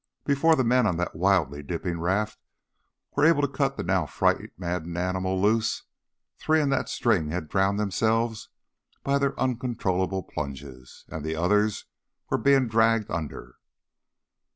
Before the men on the wildly dipping raft were able to cut the now fright maddened animals loose, three in that string had drowned themselves by their uncontrolled plunges, and the others were being dragged under.